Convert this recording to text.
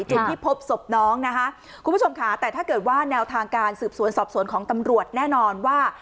จุดที่พบศพน้องนะคะคุณผู้ชมค่ะแต่ถ้าเกิดว่าแนวทางการสืบสวนสอบสวนของตำรวจแน่นอนว่า